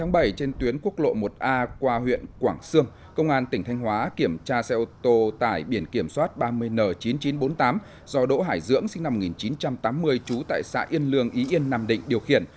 ngày bảy trên tuyến quốc lộ một a qua huyện quảng sương công an tỉnh thanh hóa kiểm tra xe ô tô tải biển kiểm soát ba mươi n chín nghìn chín trăm bốn mươi tám do đỗ hải dưỡng sinh năm một nghìn chín trăm tám mươi trú tại xã yên lương y yên nam định điều khiển